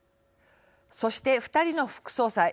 そして２人の副総裁。